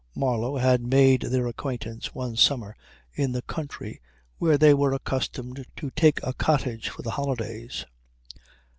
Marlow had made their acquaintance one summer in the country, where they were accustomed to take a cottage for the holidays